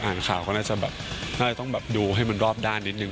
อ่านข่าวก็น่าจะต้องดูให้มันรอบด้านนิดนึง